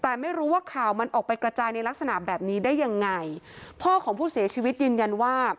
แต่ไม่รู้ว่าข่าวมันออกไปกระจายในลักษณะแบบนี้ได้ยังไงพ่อของผู้เสียชีวิตยืนยันว่า